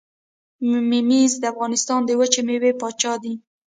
ممیز د افغانستان د وچې میوې پاچا دي.